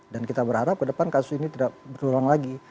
dan kita berharap ke depan kasus ini tidak berulang lagi